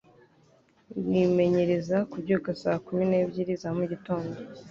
Nimenyereza kubyuka saa kumi n'ebyiri za mu gitondo